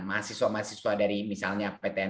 mahasiswa mahasiswa dari misalnya ptnbh ptnbh dan lain lain